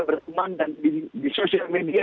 di teman dan di sosial media